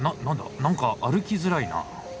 何か歩きづらいな。